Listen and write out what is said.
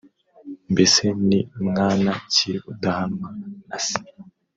Mbese ni mwana ki udahanwa na se?